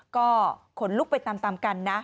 ก็ขนลุกไปตามกันนะ